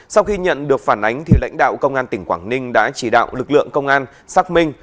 sau khi nhận được phản ánh lãnh đạo công an tỉnh quảng ninh đã chỉ đạo lực lượng công an xác minh